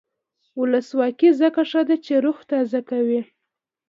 ولسواکي ځکه ښه ده چې روح تازه کوي.